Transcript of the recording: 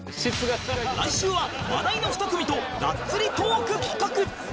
来週は話題の２組とガッツリトーク企画！